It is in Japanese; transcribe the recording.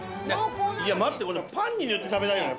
待ってこれパンに塗って食べられるね。